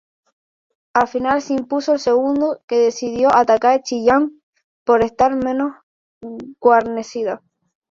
Al final se impuso el segundo que decidió atacar Chillán por estar menos guarnecida.